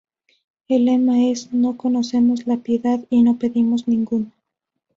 El lema es "No conocemos la piedad y no pedimos ninguna".